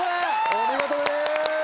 お見事です！